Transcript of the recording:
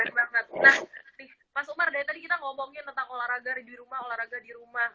nah mas umar dari tadi kita ngomongin tentang olahraga di rumah olahraga di rumah